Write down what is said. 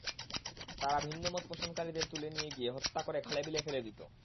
তারা ভিন্নমত পোষণকারীদের তুলে নিয়ে গিয়ে হত্যা করে খালে-বিলে ফেলে দিত।